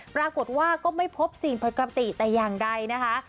ปรากฏว่าก็ไม่พบสิ่งปกติแต่อย่างใดนะคะ